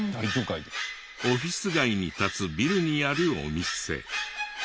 オフィス街に立つビルにあるお店。